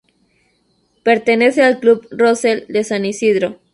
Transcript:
Pertenece al club Rosell de San Isidro.